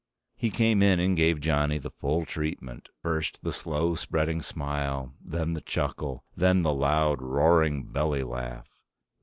He came in and gave Johnny the full treatment. First the slow spreading smile. Then the chuckle. Then the loud, roaring belly laugh.